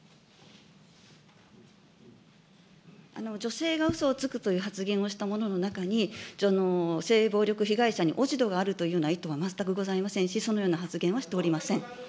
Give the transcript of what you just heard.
女性がうそをつくという発言をしたものの中に、性暴力被害者に落ち度があるというような意図は全くございませんし、そのような発言はしておりません。